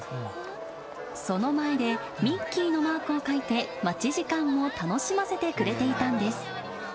その前でミッキーのマークを描いて、待ち時間を楽しませてくれていたんです。